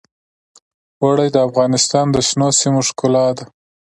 اوړي د افغانستان د شنو سیمو ښکلا ده.